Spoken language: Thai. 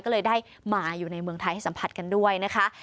ก็เลยได้มาอยู่ในเมืองไทยให้สัมผัสกันด้วยนะคะ